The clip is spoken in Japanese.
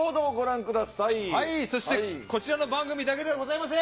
そして、こちらの番組だけではございません。